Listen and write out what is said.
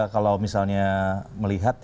kalau misalnya melihat